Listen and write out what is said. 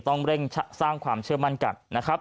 ต้องเร่งสร้างความเชื่อมั่นกัน